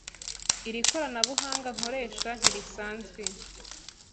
Iri koranabuhanga nkoresha ntirisanzwe